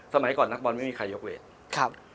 สมัยก่อนนักบอลไม่มีใครยกเวทครับ